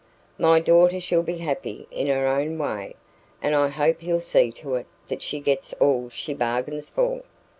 My daughter shall be happy in her own way and I hope he'll see to it that she gets all she bargains for.